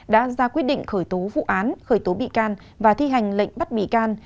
đã ra quyết định khởi tố vụ án khởi tố bị can và thi hành lệnh bắt bị can